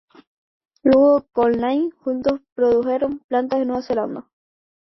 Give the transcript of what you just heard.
Luego con Laing, juntos produjeron "Plantas de Nueva Zelanda.